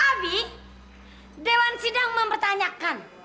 abi dewan sidang mempertanyakan